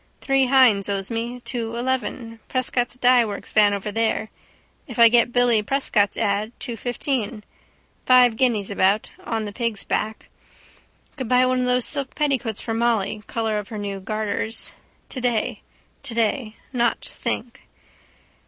Three Hynes owes me. Two eleven. Prescott's dyeworks van over there. If I get Billy Prescott's ad: two fifteen. Five guineas about. On the pig's back. Could buy one of those silk petticoats for Molly, colour of her new garters. Today. Today. Not think.